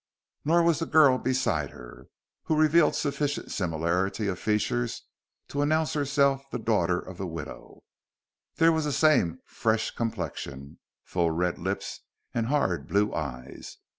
Nor was the girl beside her, who revealed sufficient similarity of features to announce herself the daughter of the widow. There was the same fresh complexion, full red lips and hard blue eyes.